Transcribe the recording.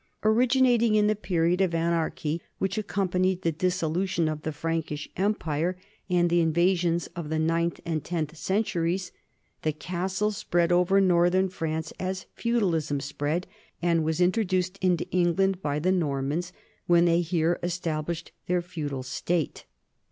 Originating in the period of anarchy which accompanied the dissolution of the Prankish empire and the invasions of the ninth and tenth centuries, the castle spread over northern France as feudalism spread, and was introduced into England by the Normans when they here established their feudal state.